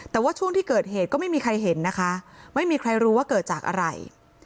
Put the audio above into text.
แต่ว่าช่วงที่เกิดเหตุก็ไม่มีใครเห็นนะคะไม่มีใครรู้ว่าเกิดจากอะไร